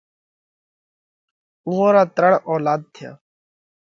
اُوئون را ترڻ اولاڌ ٿيا۔